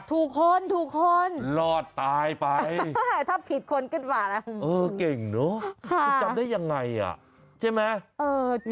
ถูกคนถูกคนรอดตายไปถ้าผิดคนขึ้นมาแล้วเออเก่งเนอะคุณจำได้ยังไงอ่ะใช่ไหม